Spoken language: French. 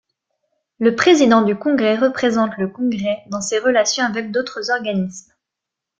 Le Président du Congrès représente le Congrès dans ses relations avec d'autres organismes.